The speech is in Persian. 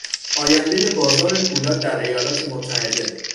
آیندهی بازار پولاد در ایالات متحده